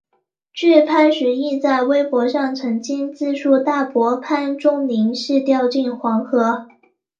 据潘石屹在微博上曾经自述大伯潘钟麟是掉进黄河。